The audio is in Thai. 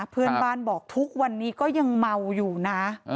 เพื่อนบ้านบอกทุกวันนี้ก็ยังเมาอยู่นะ